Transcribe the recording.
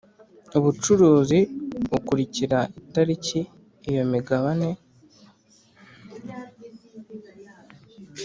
ubucuruzi ukurikira itariki iyo migabane